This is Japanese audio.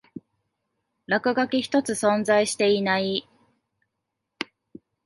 落書き一つ存在していない